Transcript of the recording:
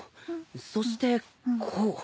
そしてこう。